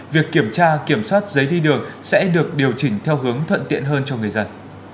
việc kiểm tra kiểm soát giấy đi đường sẽ được điều chỉnh theo hướng thuận tiện hơn cho người dân